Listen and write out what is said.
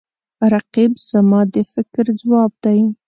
رقیب زما د فکر ځواک دی